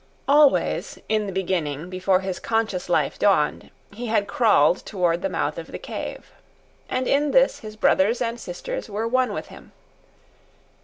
Always, in the beginning, before his conscious life dawned, he had crawled toward the mouth of the cave. And in this his brothers and sisters were one with him.